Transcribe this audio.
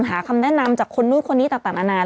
หาคำแนะนำจากคนนู้นคนนี้ต่างนานา